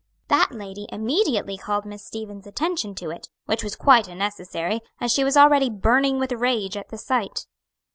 That lady immediately called Miss Stevens' attention to it, which was quite unnecessary, as she was already burning with rage at the sight.